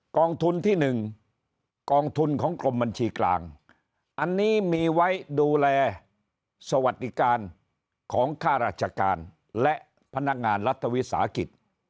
กองทุนที่๑กองทุนของกรมบัญชีกลางอันนี้มีไว้ดูแลสวัสดิการของค่าราชการและพนักงานรัฐวิสาหกิจ